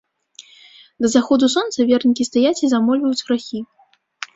Да заходу сонца вернікі стаяць і замольваюць грахі.